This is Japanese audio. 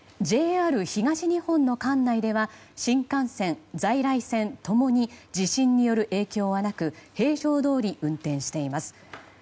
ＪＲ東日本の管内では新幹線、在来線ともに地震による影響はなく平常どおり運転しています。